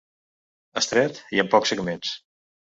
Estret i amb pocs segments.